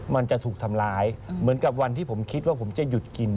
มันจะถูกทำร้ายเหมือนกับวันที่ผมคิดว่าผมจะหยุดกิน